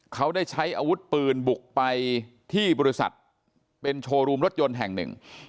เขาได้ใช้อาวุธปืนบุกไปที่บริษัทเป็นโชว์รูมรถยนต์แห่งหนึ่ง